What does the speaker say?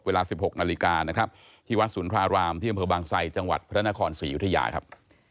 เวลา๑๖นาฬิกานะครับ